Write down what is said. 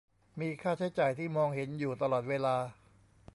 มีค่าใช้จ่ายที่มองเห็นอยู่ตลอดเวลา